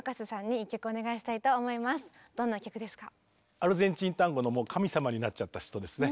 アルゼンチンタンゴのもう神様になっちゃった人ですね。